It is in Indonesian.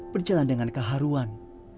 berjalan dengan keharuan